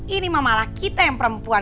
ini mama laki laki yang perempuan